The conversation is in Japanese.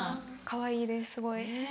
かわいいですすごい。